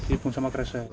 dibungkus sama kresek